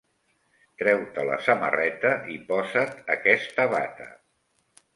Treu-te la samarreta i posa't aquesta bata.